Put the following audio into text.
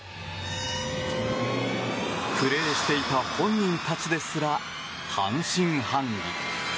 プレーしていた本人たちですら半信半疑。